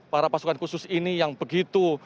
para pasukan khusus ini yang begitu